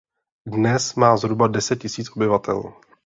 Dnes má zhruba deset tisíc obyvatel.